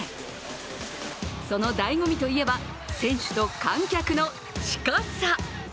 そのだいご味といえば、選手と観客の近さ。